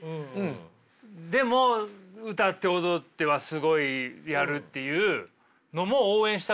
でも歌って踊ってはすごいやるっていうのもどうですか？